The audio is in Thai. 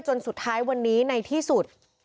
จนสุดท้ายวันนี้ในที่สุด